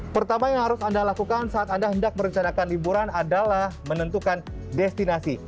pertama yang harus anda lakukan saat anda hendak merencanakan liburan adalah menentukan destinasi